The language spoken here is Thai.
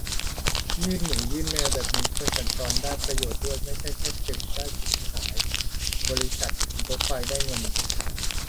ยื่นหมูยื่นแมวแบบนี้คนสัญจรได้ประโยชน์ด้วย ไม่ใช่แค่ตึกได้จุดขาย บริษัทรถไฟได้เงิน